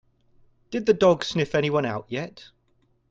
Did the dog sniff anyone out yet?